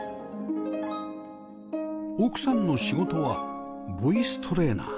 奥さんの仕事はボイストレーナー